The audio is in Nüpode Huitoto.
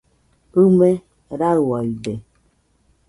ɨme rauaide.